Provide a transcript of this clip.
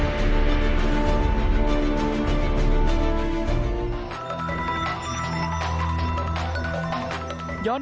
ข้อมูลจดหมาย